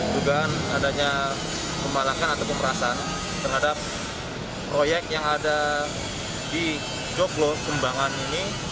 juga adanya kemalakan atau pemerasan terhadap proyek yang ada di coglor kembangan ini